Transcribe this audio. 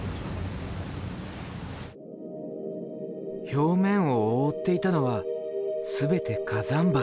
表面を覆っていたのは全て火山灰。